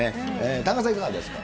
田中さん、いかがですか。